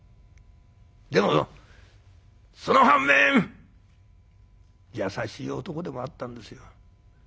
でもその反面優しい男でもあったんですよ。